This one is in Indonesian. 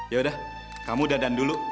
ya udah kamu dandan dulu